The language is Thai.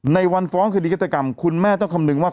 ในวันฟ้องคดีฆาตกรรมคุณแม่ต้องคำนึงว่า